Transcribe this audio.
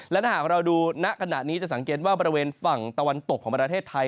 และถ้าหากเราดูณขณะนี้จะสังเกตว่าบริเวณฝั่งตะวันตกของประเทศไทย